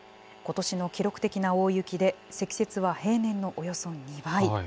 ことしの記録的な大雪で、積雪は平年のおよそ２倍。